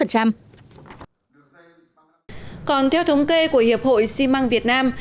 còn theo thống kê của hiệp hội ximang việt nam